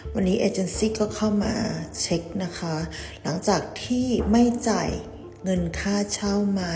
วันนี้เอเจนซี่ก็เข้ามาเช็คนะคะหลังจากที่ไม่จ่ายเงินค่าเช่ามา